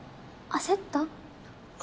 焦った？